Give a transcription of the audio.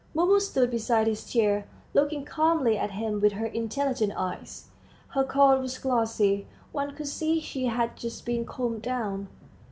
Mumu stood beside his chair, looking calmly at him with her intelligent eyes. Her coat was glossy; one could see she had just been combed down.